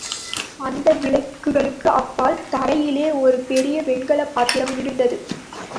அந்த விளக்குகளுக்கு அப்பால் தரையிலே ஒரு பெரிய வெண்கலப் பாத்திரம் இருந்தது.